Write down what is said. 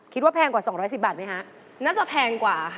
ขึ้นมา๑๐๑บาทได้แล้วค่ะ